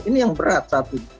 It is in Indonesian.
ini yang berat satu